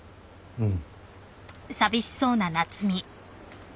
うん。